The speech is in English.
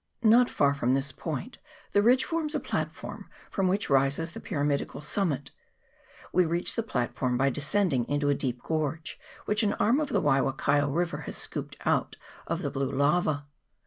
Not far from this point the ridge forms a plat form, from which rises the pyramidical summit. We reached the platform by descending into a deep gorge which an arm of the Waiwakaio river has scooped out of the blue lava.